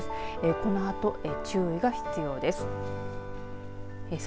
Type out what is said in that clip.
このあと注意が必要です。